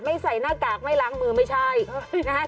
ใส่หน้ากากไม่ล้างมือไม่ใช่นะฮะ